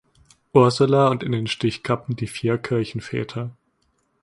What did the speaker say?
Ursula und in den Stichkappen die Vier Kirchenväter.